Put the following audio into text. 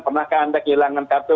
pernahkah anda kehilangan kartu